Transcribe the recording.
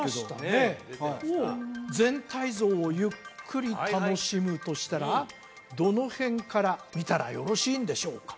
おお全体像をゆっくり楽しむとしたらどの辺から見たらよろしいんでしょうか？